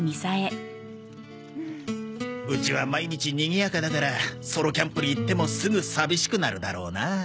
うちは毎日にぎやかだからソロキャンプに行ってもすぐ寂しくなるだろうなあ。